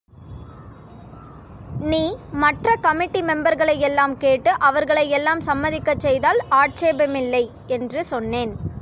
நீ மற்றக் கமிட்டி மெம்பர்களை யெல்லாம் கேட்டு, அவர்களை எல்லாம் சம்மதிக்கச் செய்தால் ஆட்சேபமில்லை என்று சொன்னேன்.